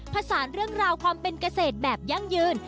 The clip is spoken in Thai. ผสานเรื่องราวความเป็นเกษตรแบบยั่งยืน